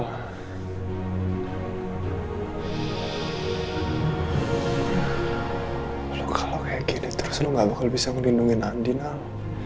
lu kalo kayak gini terus lu gak bakal bisa ngedindungin andi nal